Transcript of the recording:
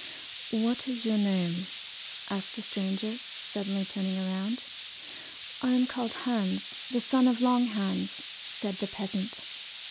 'What is your name?' asked the stranger, suddenly turning round. 'I am called Hans, the son of Long Hans,' said the peasant.